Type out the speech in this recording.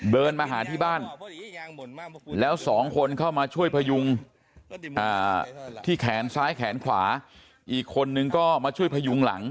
เดินมาหาที่บ้านแล้วสองคนเข้ามาช่วยพยุงที่แขนซ้ายแขนขวาอีกคนนึงก็มาช่วยพยุงหลัง